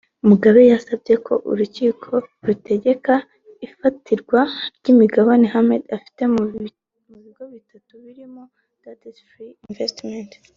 Mugabe yasabye ko urukiko rutegeka ifatirwa ry’imigabane Ahmed afite mu bigo bitatu birimo Thatchfree Investments